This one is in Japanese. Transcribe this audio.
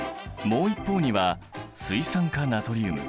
もう一方には水酸化ナトリウム。